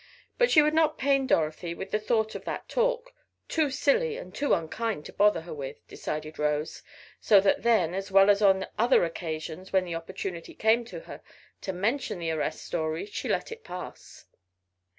But she would not pain Dorothy with the thought of that talk too silly and too unkind to bother her with, decided Rose, so that then, as well as on other occasions when the opportunity came to her to mention the arrest story, she let it pass.